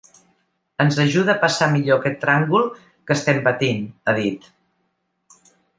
Ens ajuda a passar millor aquest tràngol que estem patint, ha dit.